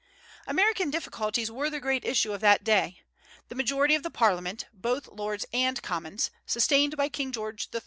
American difficulties were the great issue of that day. The majority of the Parliament, both Lords and Commons, sustained by King George III.